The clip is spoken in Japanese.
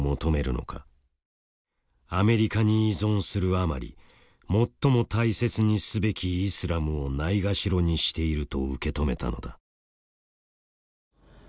アメリカに依存するあまり最も大切にすべきイスラムをないがしろにしていると受け止めたのだ。